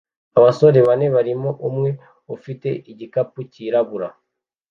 Abasore bane barimo umwe ufite igikapu cyirabura